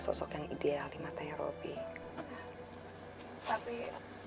terus kamu gak berikut sama mbak robby